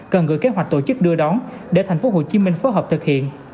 cần gửi kế hoạch tổ chức đưa đón để tp hcm phối hợp thực hiện